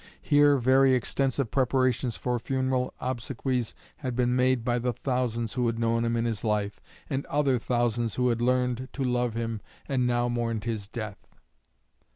Here very extensive preparations for funeral obsequies had been made by the thousands who had known him in his life, and other thousands who had learned to love him and now mourned his death.